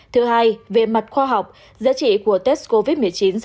thứ hai về mặt khoa học giá trị của test covid một mươi chín